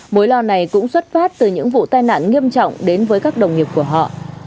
mối lo này cũng xuất phát từ những vụ tai nạn nghiêm trọng đến với các đồng nghiệp của họ